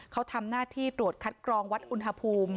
เขาทำหน้าที่ตรวจคัดกรองวัดอุณหภูมิ